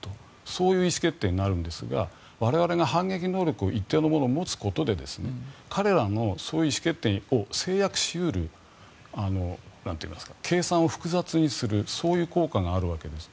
そういう意思決定になるんですが我々が反撃能力を一定のものを持つことによって彼らのそういう意思決定を制約し得る、計算を複雑にするそういう効果があるわけです。